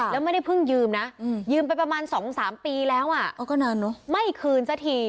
แล้วไม่ได้เพิ่งยืมนะยืมไปประมาณ๒๓ปีแล้วอ่ะไม่คืนซะที